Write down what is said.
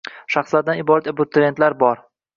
Shaxslardan iborat abituriyentlar bor